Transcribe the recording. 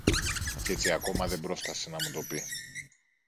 Κι έτσι ακόμα δεν πρόφθασε να μου το πει.